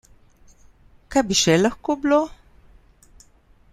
Kaj bi še lahko bilo?